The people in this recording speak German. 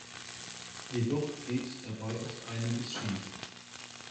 Jedoch geht dabei oft einiges schief.